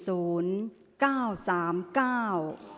ออกรางวัลที่๖เลขที่๗